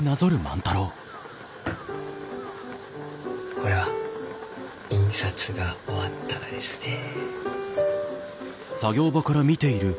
これは印刷が終わったがですねえ。